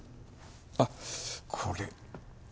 あっこれ。